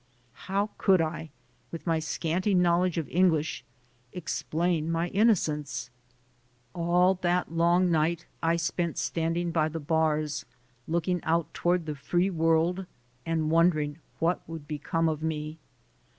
How could I, with my scanty knowl edge of English, explain my innocence? All that 116THE SOUL OF AN IMMIGRANT long night I spent standing by the bars, looking out toward the free world and wondering what would become of me.